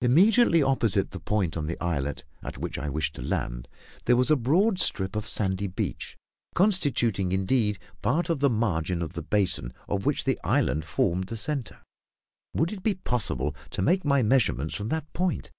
Immediately opposite the point on the islet at which I wished to land, there was a broad strip of sandy beach, constituting indeed part of the margin of the basin, of which the islet formed the centre. Would it be possible to make my measurements from that point?